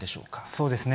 そうですね。